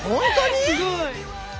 すごい。